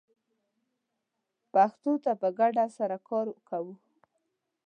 پښتو ته په ګډه سره کار کوو